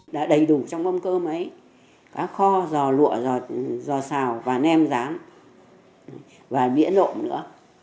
đã đầy đủ trong mâm cơm ấy cá kho giò lụa giò xào và nem rán và miễn nộm nữa